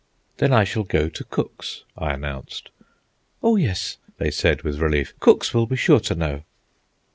"Then I shall go to Cook's," I announced. "Oh yes," they said, with relief. "Cook's will be sure to know."